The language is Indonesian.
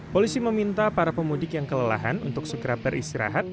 polisi meminta para pemudik yang kelelahan untuk segera beristirahat